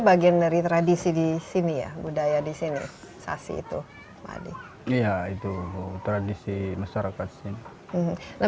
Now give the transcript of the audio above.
bagian dari tradisi di sini ya budaya di sini sasi itu madi iya itu tradisi masyarakat sini nah